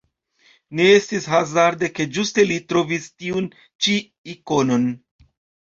Ne estis hazarde, ke ĝuste li trovis tiun ĉi ikonon.